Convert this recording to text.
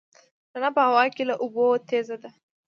رڼا په هوا کې له اوبو تېزه ده.